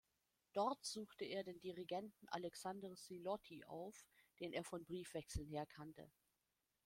Dort suchte er den Dirigenten Aleksandr Siloti auf, den er von Briefwechseln her kannte.